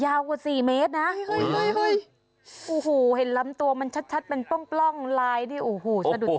ยาวกว่า๔เมตรนะโอ้โหเห็นล้ำตัวมันชัดเป็นป้องลายนี่โอ้โหสะดุดสร้างจริง